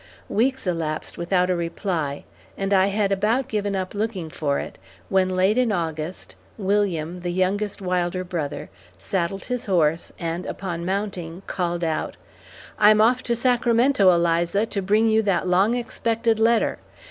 Weeks elapsed without a reply, and I had about given up looking for it, when late in August, William, the youngest Wilder brother, saddled his horse, and upon mounting, called out, "I'm off to Sacramento, Eliza, to bring you that long expected letter.